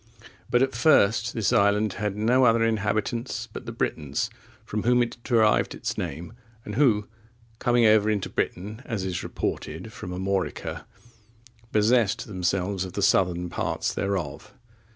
But at first this island had no other inhabitants but the Britons, from whom it derived its name, and who, coming over into Britain, as is reported, from Armorica,(28) possessed themselves of the southern parts thereof.